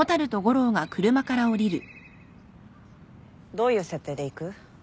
どういう設定で行く？